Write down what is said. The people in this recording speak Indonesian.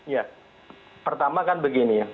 ya pertama kan begini ya